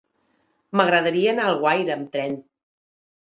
M'agradaria anar a Alguaire amb tren.